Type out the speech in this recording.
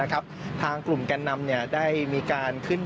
มาดูบรรจากาศมาดูความเคลื่อนไหวที่บริเวณหน้าสูตรการค้า